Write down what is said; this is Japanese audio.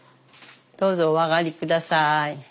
どうぞお上がり下さい。